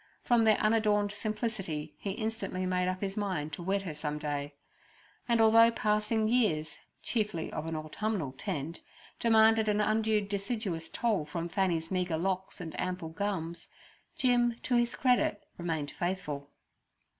From their unadorned simplicity he instantly made up his mind to wed her some day, and although passing years, chiefly of an autumnal tend, demanded an undue deciduous toll from Fanny's meagre locks and ample gums, Jim, to his credit, remained faithful.